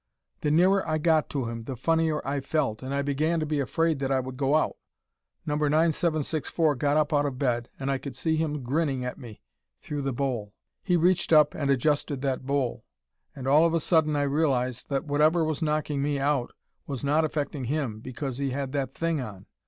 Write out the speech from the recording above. "The nearer I got to him, the funnier I felt, and I began to be afraid that I would go out. No. 9764 got up out of bed, and I could see him grinning at me through the bowl. He reached up and adjusted that bowl, and all of a sudden I realized that whatever was knocking me out was not affecting him because he had that thing on.